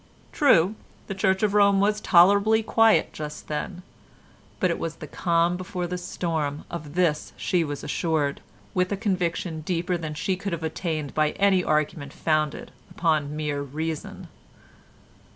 True, the Church of Rome was tolerably quiet just then, but it was the calm before the storm, of this she was assured, with a conviction deeper than she could have attained by any argument founded upon mere reason.